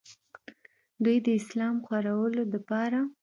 دوي د اسلام خورولو دپاره